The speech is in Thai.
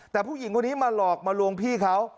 แต่ผู้หญิงคนนี้มาหลอกมาลวงพี่เขา